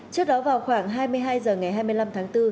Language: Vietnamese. trước đó vào khoảng hai mươi hai h ngày hai mươi năm tháng bốn